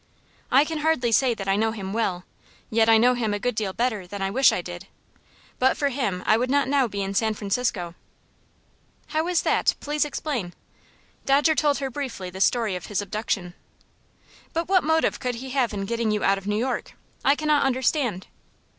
"I can hardly say that I know him well, yet I know him a good deal better than I wish I did. But for him I would not now be in San Francisco." "How is that? Please explain." Dodger told her briefly the story of his abduction. "But what motive could he have in getting you out of New York? I cannot understand."